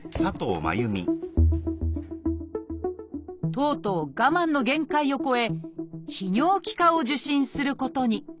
とうとう我慢の限界を超え泌尿器科を受診することに。